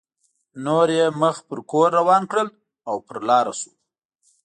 نور یې مخ په کور روان کړل او په لاره شو.